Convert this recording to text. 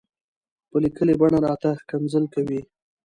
په ليکلې بڼه راته ښکنځل کوي.